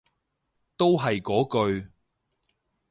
都係嗰句